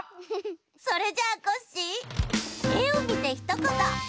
それじゃあコッシーえをみてひとこと！